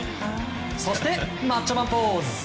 そして、マッチョマンポーズ！